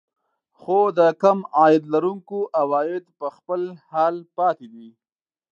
خو د کم عاید لرونکو عوايد په خپل حال پاتې دي